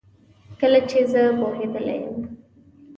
کله چي زه پوهیدلې یم